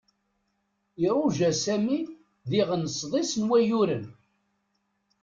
Iruja Sami diɣen sḍis n wayyuren.